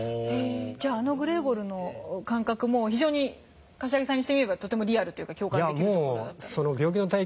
じゃああのグレーゴルの感覚も非常に頭木さんにしてみればとてもリアルというか共感できるところだった？